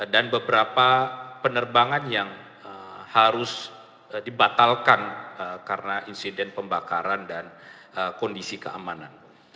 dan beberapa penerbangan yang harus dibatalkan karena insiden pembakaran dan kondisi keamanan